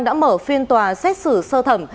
đã mở phiên tòa xét xử sơ thẩm